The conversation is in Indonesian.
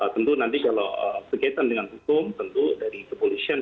tentu nanti kalau berkaitan dengan hukum tentu dari kepolisian